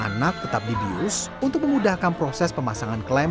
anak tetap dibius untuk memudahkan proses pemasangan klaim